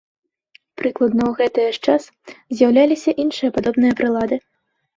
Прыкладна ў гэтае ж час з'яўляліся іншыя падобныя прылады.